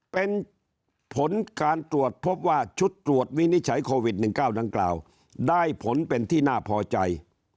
เป็นผลการตรวจพบว่าชุดตรวจวินิจฉัยโควิด๑๙ดังกล่าวได้ผลเป็นที่น่าพอใจ